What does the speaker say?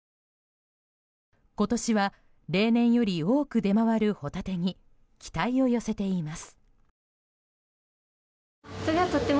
今年は例年より多く出回るホタテに期待を寄せています。